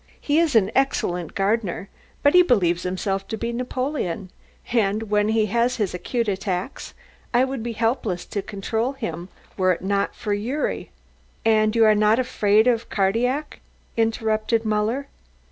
He is an excellent gardener but he believes himself to be Napoleon, and when he has his acute attacks I would be helpless to control him were it not for Gyuri." "And you are not afraid of Cardillac?" interrupted Muller.